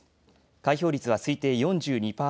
開票率は推定４２％。